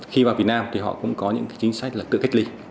khi vào việt nam thì họ cũng có những chính sách là tự cách ly